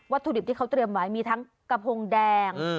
ถุดิบที่เขาเตรียมไว้มีทั้งกระพงแดง